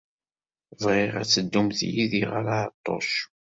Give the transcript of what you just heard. Bɣiɣ ad teddumt yid-i ɣer Ɛeṭṭuc.